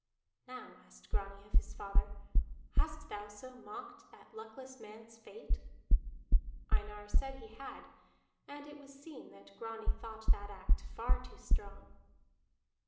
"Now," asked Grani of his father, "hast thou so mocked that luckless man's fate?" Einar said he had, and it was seen that Grani thought that act far too strong.